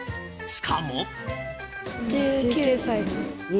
しかも。